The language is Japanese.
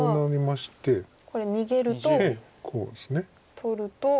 取ると。